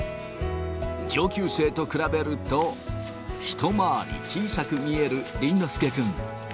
上級生と比べると、一回り小さく見える倫之亮君。